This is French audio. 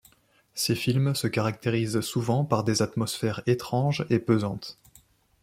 Ses films se caractérisent souvent par des atmosphères étranges et pesantes.